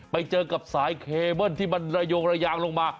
ไปเจอกับสายเคเบิ้ลที่มันระโยงระยางลงมา